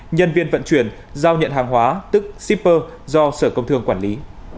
nhân viên vận chuyển giao nhận hàng hóa tức shipper do sở công thương quản lý